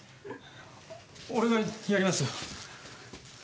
俺がやりますよ。